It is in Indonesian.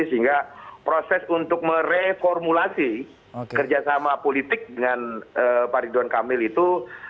sehingga proses untuk mereformulasi kerjasama politik dengan pak ridwan kamil itu